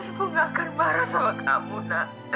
ibu gak akan marah sama kamu nak